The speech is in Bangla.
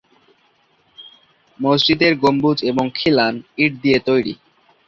মসজিদটির গম্বুজ এবং খিলান ইট দিয়ে তৈরি।